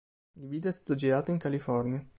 Il video è stato girato in California.